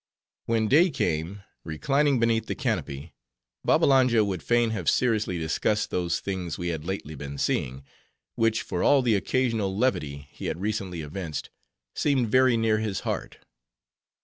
When day came, reclining beneath the canopy, Babbalanja would fain have seriously discussed those things we had lately been seeing, which, for all the occasional levity he had recently evinced, seemed very near his heart.